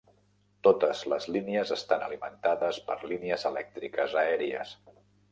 Totes les línies estan alimentades per línies elèctriques aèries.